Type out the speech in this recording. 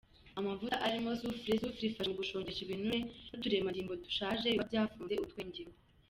Amavuta arimo “soufre”:Soufre ifasha mu gushongesha ibinure n’uturemajambo dushaje biba byafunze utwengehu.